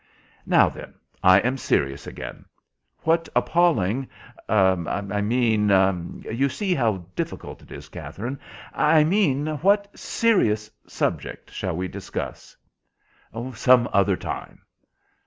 Now then, I am serious again. What appalling—I mean—you see how difficult it is, Katherine—I mean, what serious subject shall we discuss?" "Some other time."